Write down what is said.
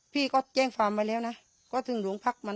พี่ก็แจ้งความไว้แล้วนะก็ถึงโรงพักมัน